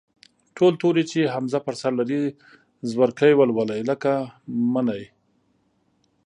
ټول توري چې همزه پر سر لري، زورکی ولولئ، لکه: مٔنی.